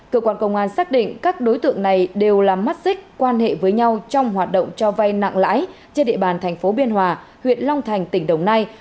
cơ quan công an xác định các đối tượng này đều là mắt xích quan hệ với nhau trong hoạt động cho vay nặng lãi trên địa bàn thành phố biên hòa huyện long thành tỉnh đồng nai